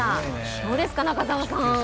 どうですか、中澤さん。